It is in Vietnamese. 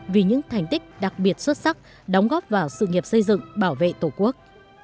vì những thành tích đặc biệt xuất sắc đóng góp vào sự nghiệp xây dựng bảo vệ tổ quốc